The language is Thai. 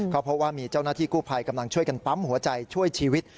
ก็เพราะว่ามีเจ้าหน้าที่กู้ภัยกำลังช่วยกันปั๊มหัวใจช่วยชีวิต